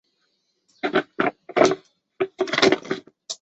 内容包括十四部注和十三部疏。